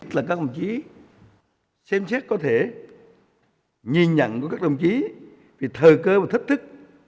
chúng tôi xem xét có thể nhìn nhận của các đồng chí về thờ cơ và thách thức